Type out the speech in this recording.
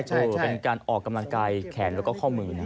เออเป็นการออกกำลังกายแขนแล้วก็ข้อมือนะ